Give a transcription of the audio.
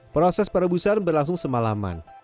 proses perebusan berlangsung semalaman